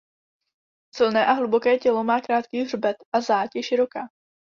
Silné a hluboké tělo má krátký hřbet a záď je široká.